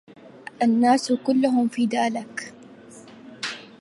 الناس كلهم فدى لك